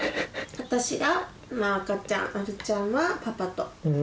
私が赤ちゃんあるちゃんはパパと。